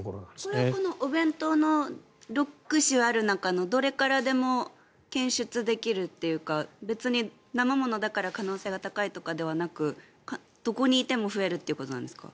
これはこのお弁当の６種ある中のどれからでも検出できるというか別に生ものだから可能性が高いとかではなくどこにいても増えるということなんですか。